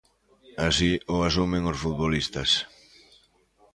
Así o asumen os futbolistas.